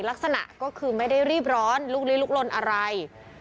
ลักษณะก็คือไม่ได้รีบร้อนลุกลี้ลุกลนอะไร